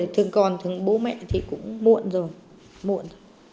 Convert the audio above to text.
thường con thường bố mẹ thì cũng muộn rồi muộn